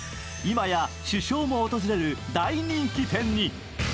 今や、首相も訪れる大人気店に。